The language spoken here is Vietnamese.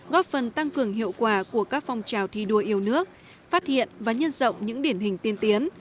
góp phần tăng cường hiệu quả của các phong trào thi đua yêu nước phát hiện và nhân rộng những điển hình tiên tiến